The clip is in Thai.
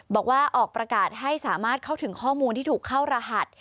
บอกว่าออกประกาศให้สามารถเข้าถึงข้อมูลที่ถูกเข้ารหัส